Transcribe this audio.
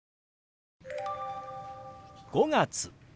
「５月」。